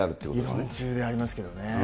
議論中でありますけどね。